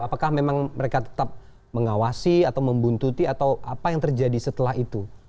apakah memang mereka tetap mengawasi atau membuntuti atau apa yang terjadi setelah itu